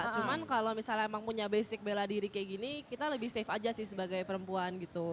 cuma kalau misalnya emang punya basic bela diri kayak gini kita lebih safe aja sih sebagai perempuan gitu